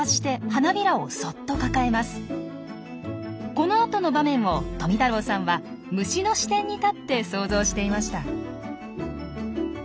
このあとの場面を富太郎さんは虫の視点に立って想像していました。